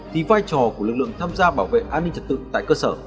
thì vai trò của lực lượng tham gia bảo vệ an ninh trật tự tại cơ sở